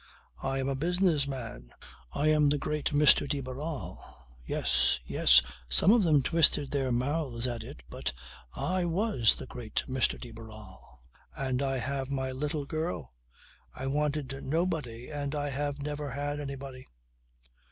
I am a business man. I am the great Mr. de Barral (yes, yes, some of them twisted their mouths at it, but I was the great Mr. de Barral) and I have my little girl. I wanted nobody and I have never had anybody."